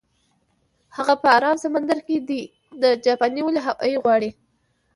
هغه په ارام سمندر کې ده، جاپانیان ولې هاوایي غواړي؟